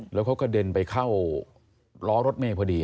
แล้วเขากระเด็นไปเข้าล้อรถเมย์พอดี